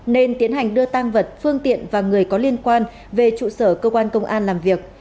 nên tiến hành đưa tăng vật phương tiện và người có liên quan về trụ sở cơ quan công an làm việc